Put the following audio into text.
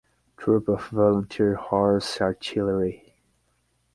Troop of Volunteer Horse Artillery.